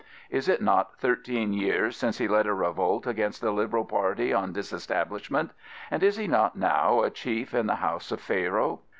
Is it not thirteen years since he led a revolt against the Liberal party on Disestablishment, and is he not now a chief in the house of Pharaoh?